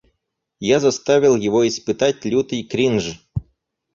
Я заставил его испытать лютый кринж.